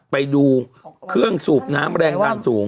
ไปดูเครื่องสูบน้ำแรงดันสูง